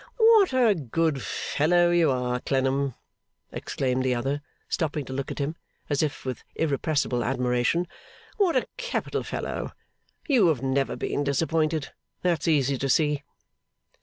'What a good fellow you are, Clennam!' exclaimed the other, stopping to look at him, as if with irrepressible admiration. 'What a capital fellow! You have never been disappointed. That's easy to see.